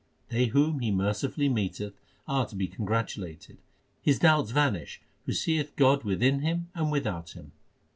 They whom He mercifully meeteth are to be congratulated. His doubts vanish who seeth God within him and without him.